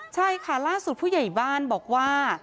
ใช่ค่ะล่าสุดผู้ใหญ่บ้านบอกว่า